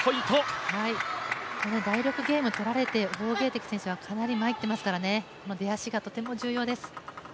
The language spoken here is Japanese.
第６ゲーム取られて王ゲイ迪選手はだいぶまいっていますからね、出だしがとても重要です。